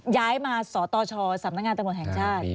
ย้ายมาสตชสำนักงานตำรวจแห่งชาติ